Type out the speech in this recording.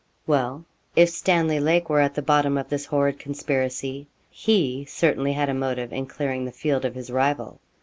Well, if Stanley Lake were at the bottom of this horrid conspiracy, he certainly had a motive in clearing the field of his rival.